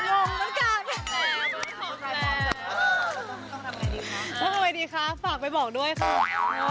คุณผู้ชมทำอะไรดีคะคุณผู้ชมทำอะไรดีคะฝากไปบอกด้วยค่ะ